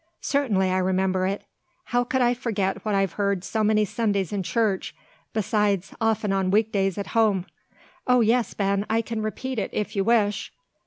Certainly I remember it. How could I forget what I've heard so many Sundays in church, besides often on week days at home? O yes, Ben, I can repeat it, if you wish!"